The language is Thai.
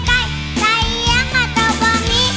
แต่ยังกับเจ้าบ่มี